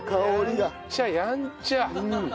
やんちゃやんちゃ。